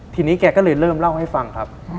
ทีนี้แกก็เลยเริ่มเล่าให้ฟังครับ